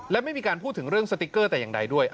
และไม่มีการพูดถึงเรื่องสติ๊กเกอร์แต่อย่างใดด้วย